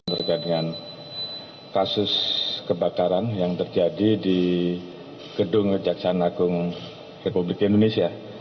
terkait dengan kasus kebakaran yang terjadi di gedung kejaksaan agung republik indonesia